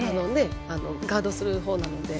ガードするほうなので。